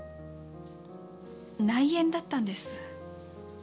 内縁だったんです。